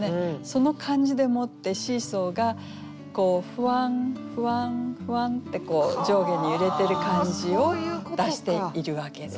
その感じでもってシーソーがふわんふわんふわんって上下に揺れてる感じを出しているわけですね。